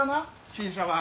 新車は。